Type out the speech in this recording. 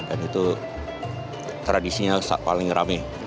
dan itu tradisinya paling rame